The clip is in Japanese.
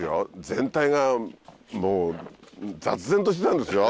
全体がもう雑然としてたんですよ。